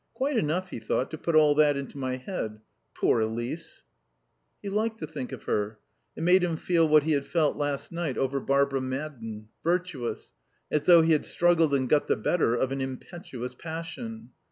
"Quite enough," he thought, "to put all that into my head. Poor Elise" He liked to think of her. It made him feel what he had felt last night over Barbara Madden virtuous as though he had struggled and got the better of an impetuous passion.